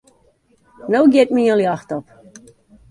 No giet my in ljocht op.